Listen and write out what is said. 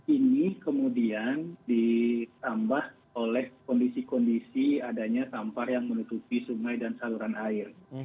ini kemudian ditambah oleh kondisi kondisi adanya sampah yang menutupi sungai dan saluran air